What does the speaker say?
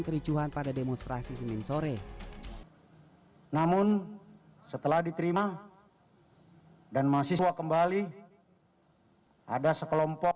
kericuhan pada demonstrasi senin sore namun setelah diterima dan mahasiswa kembali ada sekelompok